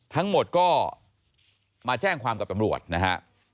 ทั้งหมดก็มาแจ้งความกับตำรวจนะฮะ